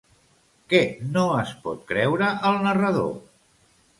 Què no es pot creure el narrador?